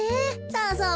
そうそう。